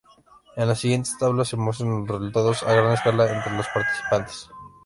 En las siguientes tablas se muestran los resultados a gran escala entre los participantes.